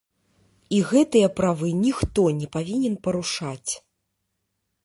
І гэтыя правы ніхто не павінен парушаць.